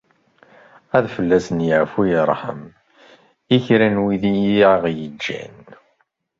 Ad fell-asen yeɛfu yerḥem i kra n wid i aɣ-yeǧǧan.